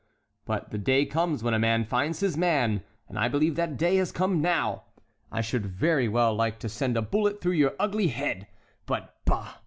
But the day comes when a man finds his man; and I believe that day has come now. I should very well like to send a bullet through your ugly head; but, bah!